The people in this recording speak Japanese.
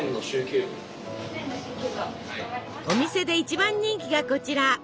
お店で一番人気がこちら。